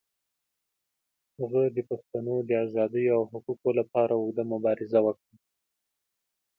هغه د پښتنو د آزادۍ او حقوقو لپاره اوږده مبارزه وکړه.